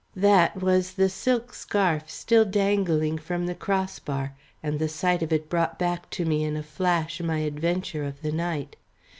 That was the silk scarf still dangling from the cross bar, and the sight of it brought back to me in a flash my adventure of the night.